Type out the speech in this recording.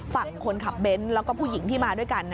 ฝั่งคนขับเบ้นแล้วก็ผู้หญิงที่มาด้วยกัน